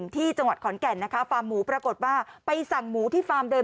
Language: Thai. ที่จังหวัดขอนแก่นนะคะฟาร์มหมูปรากฏว่าไปสั่งหมูที่ฟาร์มเดิน